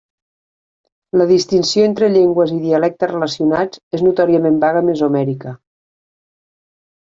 La distinció entre llengües i dialectes relacionats és notòriament vaga a Mesoamèrica.